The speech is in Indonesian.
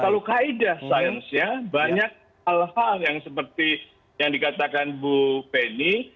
kalau kaedah sainsnya banyak hal hal yang seperti yang dikatakan bu penny